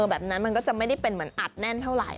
แบบนั้นมันก็จะไม่ได้เป็นเหมือนอัดแน่นเท่าไหร